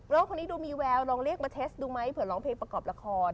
คนนี้ดูมีแววลองเรียกมาเทสดูไหมเผื่อร้องเพลงประกอบละคร